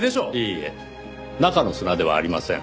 いいえ中の砂ではありません。